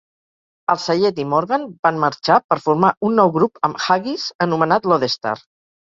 Al-Sayed i Morgan van marxar per formar un nou grup amb Haggis anomenat Lodestar.